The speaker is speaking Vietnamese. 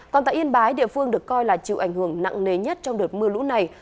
còn tại yên bái địa phương được coi là chịu ảnh hưởng nặng nề nhất trong đợt mưa lũ này